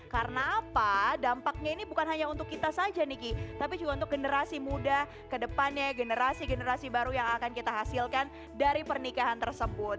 karena apa dampaknya ini bukan hanya untuk kita saja nih ki tapi juga untuk generasi muda kedepannya generasi generasi baru yang akan kita hasilkan dari pernikahan tersebut